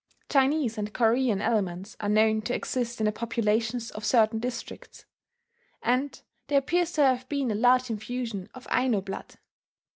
Chinese and Korean elements are known to exist in the populations of certain districts; and, there appears to have been a large infusion of Aino blood.